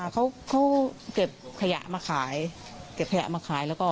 เขาเก็บขยะมาขายเก็บขยะมาขายแล้วก็